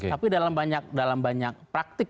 tapi dalam banyak praktik